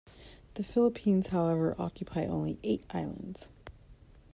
The Philippines, however, occupy only eight islands.